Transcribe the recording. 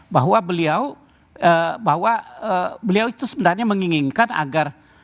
bahwa beliau itu sebenarnya menginginkan agar